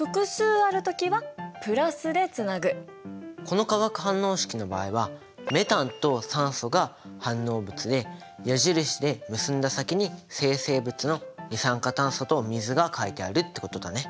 この化学反応式の場合はメタンと酸素が反応物で矢印で結んだ先に生成物の二酸化炭素と水が書いてあるってことだね。